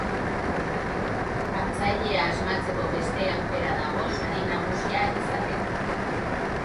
Hartzailea asmatzeko beste aukera dago sari nagusia izateko.